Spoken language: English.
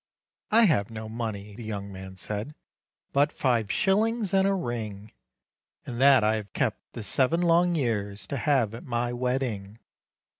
"I have no money," the young man said, "But five shillings and a ring; And that I have kept this seven long years, To have at my wedding.